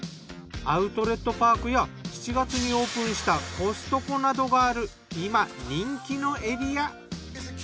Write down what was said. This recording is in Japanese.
アウトレットパークや７月にオープンしたコストコなどがある今人気のエリア。